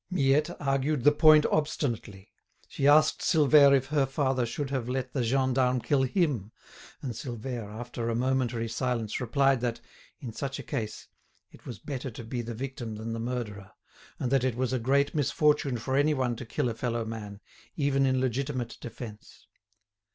Miette argued the point obstinately; she asked Silvère if her father should have let the gendarme kill him, and Silvère, after a momentary silence, replied that, in such a case, it was better to be the victim than the murderer, and that it was a great misfortune for anyone to kill a fellow man, even in legitimate defence.